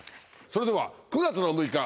それでは９月６日。